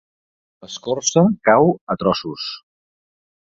L'escorça cau a trossos.